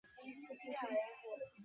কিন্তু আমাদের কোনো জাতির?